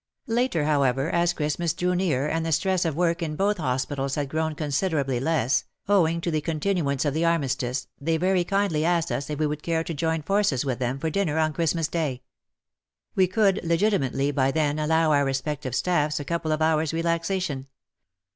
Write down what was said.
Later, however, as Xmas drew near, and the stress of work in both hospitals had grown considerably less, owing to the continuance of the armistice, they very kindly asked us if we would care to join forces with them for dinner on Xmas Day. We could legitimately by then allow our respective staffs a couple of hours relaxation.